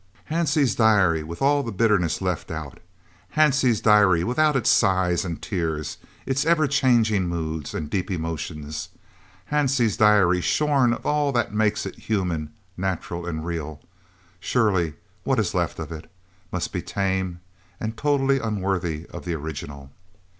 Hansie's diary with all the bitterness left out; Hansie's diary without its sighs and tears, its ever changing moods, and deep emotions; Hansie's diary, shorn of all that makes it human, natural, and real, surely what is left of it must be tame and totally unworthy of the original!